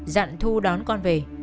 dặn thu đón con về